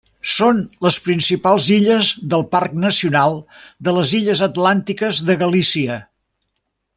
Són les principals illes del Parc Nacional de les Illes Atlàntiques de Galícia.